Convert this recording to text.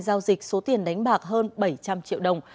giao dịch số tiền đánh bạc hơn bảy trăm linh triệu đồng